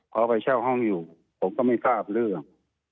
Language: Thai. เขาไปเช่าห้องอยู่ผมก็ไม่ทราบเรื่อง